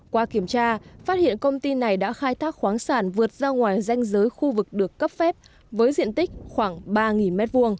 qua kiểm tra phát hiện công ty này đã khai thác khoáng sản vượt ra ngoài danh giới khu vực được cấp phép với diện tích khoảng ba m hai